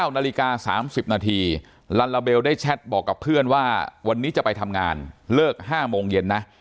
๙นาฬิกา๓๐นาทีลัลลาเบลได้แชทบอกกับเพื่อนว่าวันนี้จะไปทำงานเลิก๕โมงเย็นนะ